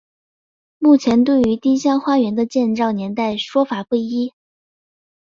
目前对于丁香花园的建造年代说法不一。